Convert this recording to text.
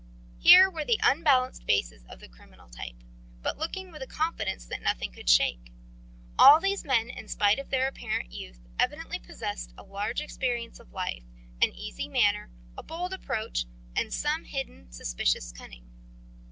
Here were the unbalanced faces of the criminal type, but looking with a confidence that nothing could shake. All these men, in spite of their apparent youth, evidently possessed a large experience of life, an easy manner, a bold approach, and some hidden, suspicious cunning.